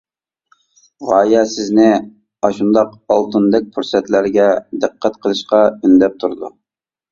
غايە سىزنى ئاشۇنداق ئالتۇندەك پۇرسەتلەرگە دىققەت قىلىشقا ئۈندەپ تۇرىدۇ.